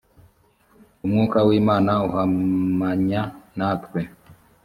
umwuka w imana uhamanya natwe